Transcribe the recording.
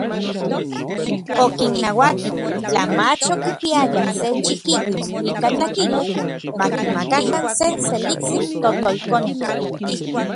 Okinnauati, tla mach okipiayaj se chikiuitl ika tlakilotl, makimakakan se seliktsin totolkonetl.